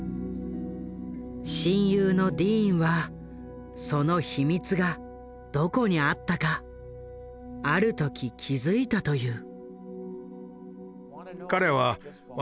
親友のディーンはその秘密がどこにあったかある時気付いたという。